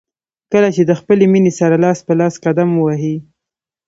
کله چې د خپلې مینې سره لاس په لاس قدم ووهئ.